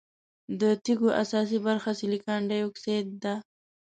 د تیږو اساسي برخه سلیکان ډای اکسايډ ده.